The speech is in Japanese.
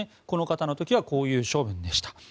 この方の時はこういう処分でした。